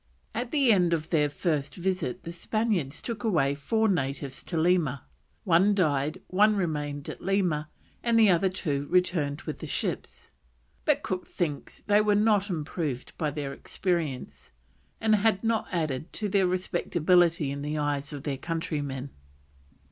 At the end of their first visit the Spaniards took away four natives to Lima; one died, one remained at Lima, and the other two returned with the ships; but Cook thinks they were not improved by their experience, and had not added to their respectability in the eyes of their countrymen.